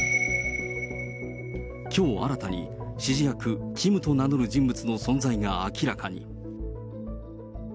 きょう新たに指示役、ＫＩＭと名乗る人物の存在が明らかに。